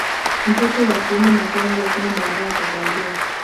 Mtoto wa kiume mapema lakini baadae akazaliwa